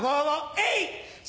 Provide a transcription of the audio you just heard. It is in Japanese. えい！